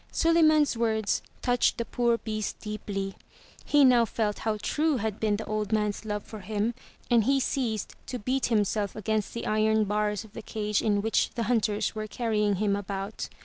Suliman's words touched the poor beast deeply. He now felt how true had been the old man's love for him, and he ceased to beat himself against the iron bars of the cage in which the hunters were carrying him about.